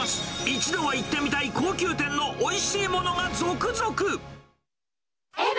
一度は行ってみたい、高級店のおいしいものが続々。